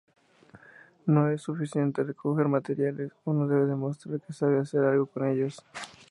No es suficiente recoger materiales, uno debe demostrar que sabe hacer algo con ellos.